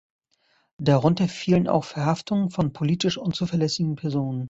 Darunter fielen auch Verhaftungen von „politisch unzuverlässigen“ Personen.